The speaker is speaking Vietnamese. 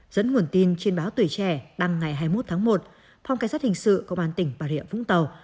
dẫn nguồn tin trên báo tuổi trẻ đăng ngày hai mươi một tháng một phòng cảnh sát hình sự công an tỉnh bà rịa vũng tàu